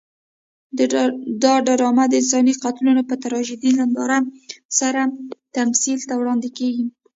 دا ډرامه د انساني قتلونو په تراژیدي نندارو سره تمثیل ته وړاندې کېږي.